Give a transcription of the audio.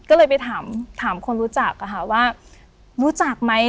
ก็เลยไปถามคนรู้จักว่ารู้จักไหม